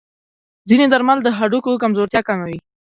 ځینې درمل د هډوکو کمزورتیا کموي.